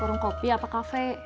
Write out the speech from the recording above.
warung kopi apa kafe